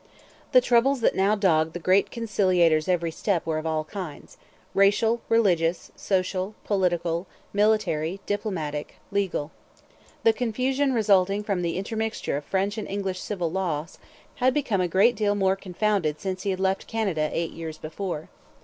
The troubles that now dogged the great conciliator's every step were of all kinds racial, religious, social, political, military, diplomatic, legal. The confusion resulting from the intermixture of French and English civil laws had become a great deal more confounded since he had left Canada eight years before.